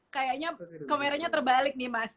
kayaknya kameranya terbalik nih mas